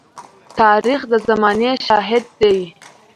تاریخ د زمانې شاهد دی.